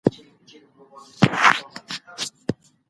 څېړونکي وویل چې ارقام سم نه دي.